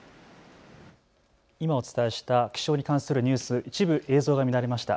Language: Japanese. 今お伝えした気象に関するニュース、一部映像が乱れました。